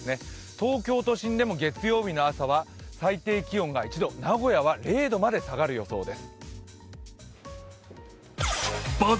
東京都心でも月曜日の朝は最低気温が１度、名古屋は０度まで下がる予想です。